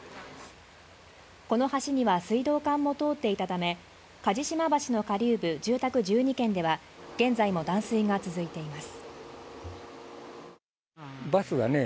この橋には水道管も通っていたため、鍛治島橋の下流部住宅１２軒では現在も断水が続いています。